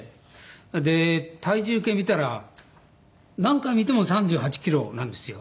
で体重計見たら何回見ても３８キロなんですよ。